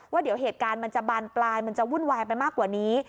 ว่าเดี๋ยวเหตุการณ์มันจะบานปลายมันจะวุ่นวายไปมากกว่านี้